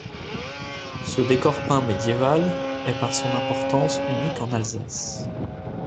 Ce décor peint médiéval est par son importance unique en Alsace.